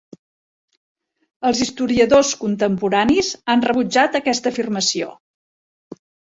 Els historiadors contemporanis han rebutjat aquesta afirmació.